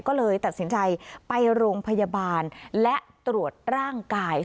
ก็เลยตัดสินใจไปโรงพยาบาลและตรวจร่างกาย